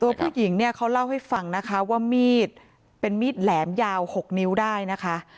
ผู้หญิงเนี่ยเขาเล่าให้ฟังนะคะว่ามีดเป็นมีดแหลมยาว๖นิ้วได้นะคะ